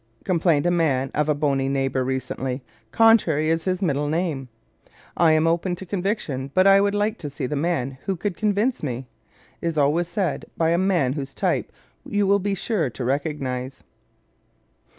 complained a man of a bony neighbor recently, "Contrary is his middle name." "I am open to conviction but I would like to see the man who could convince me!" is always said by a man whose type you will be sure to recognize.